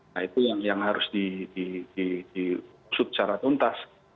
nah itu yang harus diusut secara tuntas